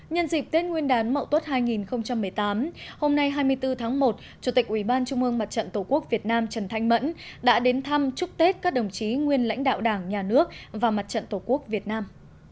nhân dịp tết nguyên đán mậu tuất hai nghìn một mươi tám hôm nay hai mươi bốn tháng một chủ tịch ubnd tổ quốc việt nam trần thanh mẫn đã đến thăm chúc tết các đồng chí nguyên lãnh đạo đảng nhà nước và mặt trận tổ quốc việt nam